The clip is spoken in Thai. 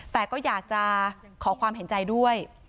แต่ก็อยากจะขอความเห็นใจด้วย